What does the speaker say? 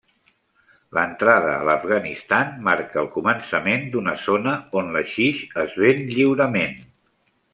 L'entrada a l'Afganistan marca el començament d'una zona on l'haixix es ven lliurement.